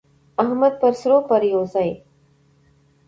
احمد پر سرو پرېوزي.